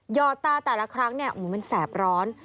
หยอดตาแต่ละครั้งมันแสบร้อน